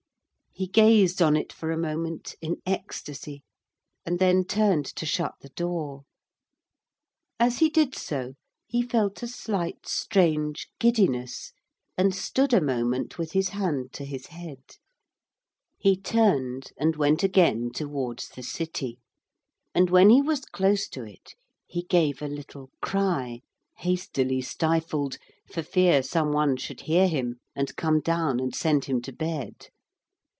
He gazed on it for a moment in ecstasy and then turned to shut the door. As he did so he felt a slight strange giddiness and stood a moment with his hand to his head. He turned and went again towards the city, and when he was close to it he gave a little cry, hastily stifled, for fear some one should hear him and come down and send him to bed.